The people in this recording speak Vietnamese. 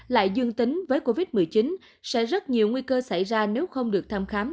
lại dương tính với covid một mươi chín sẽ rất nhiều nguy cơ xảy ra nếu không được thăm khám